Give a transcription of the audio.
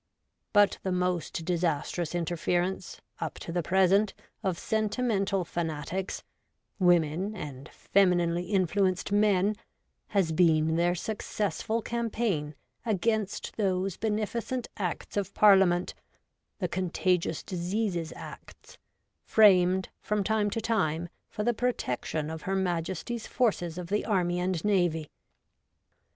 But the most disastrous interference, up to the present, of sentimental fanatics — women and femi ninely influenced men — has been their successful campaign against those beneficent Acts of Parlia ment, the Contagious Diseases Acts, framed from time to time for the protection of Her Majesty's forces of the Army and Navy.